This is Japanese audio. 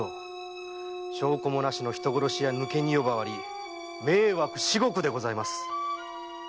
証拠もなしの人殺しや抜け荷呼ばわり迷惑至極でございます。